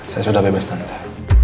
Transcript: saya sudah bebas tante